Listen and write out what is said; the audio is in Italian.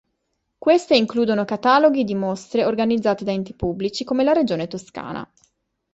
Queste includono cataloghi di mostre organizzate da enti pubblici, come la Regione Toscana.